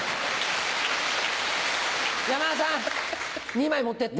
山田さん２枚持ってって。